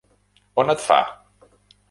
On et fa.?